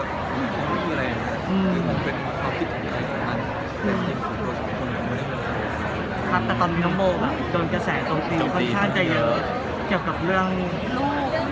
แต่ตอนนี้น้องโบว์โดนกระแสตรงดีค่อนข้างจะเยอะเกี่ยวกับเรื่องลูก